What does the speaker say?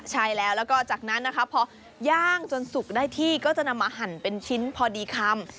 ใช่แล้วแล้วก็จากนั้นนะคะพอย่างจนสุกได้ที่ก็จะนำมาหั่นเป็นชิ้นพอดีคำ